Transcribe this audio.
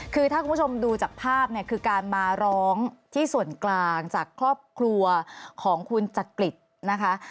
คือถ้าคุณผู้ชมดูจากภาพเนี่ยคือการมาร้องที่ส่วนกลางจากครอบครัวของคุณจักริตนะคะ